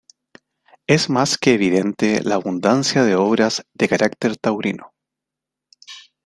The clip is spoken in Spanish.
Es más que evidente la abundancia de obras de carácter taurino.